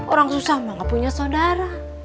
orang susah mah gak punya saudara